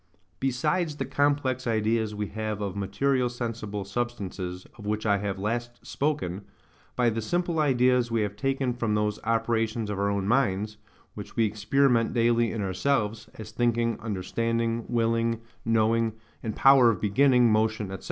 Besides the complex ideas we have of material sensible substances, of which I have last spoken,—by the simple ideas we have taken from those operations of our own minds, which we experiment daily in ourselves, as thinking, understanding, willing, knowing, and power of beginning motion, &c.